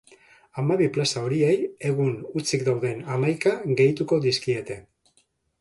Hamabi plaza horiei egun hutsik dauden hamaika gehituko dizkiete.